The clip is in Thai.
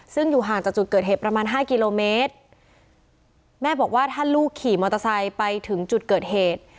ซึ่งอยู่ห่างจากจุดเกิดเหตุประมาณห้ากิโลเมตรแม่บอกว่าถ้าลูกขี่มอเตอร์ไซค์ไปถึงจุดเกิดเหตุ